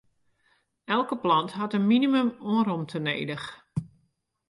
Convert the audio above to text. Elke plant hat in minimum oan romte nedich.